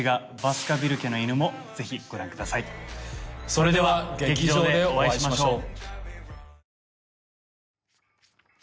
それでは劇場でお会いしましょう。